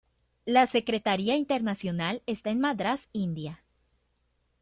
La secretaría internacional está en Madrás, India.